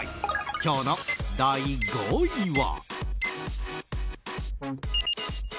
今日の第５位は。